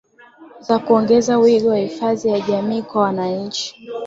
za kuongeza wigo ya hifadhi ya jamii kwa wananchi